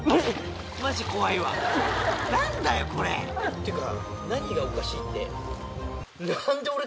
っていうか。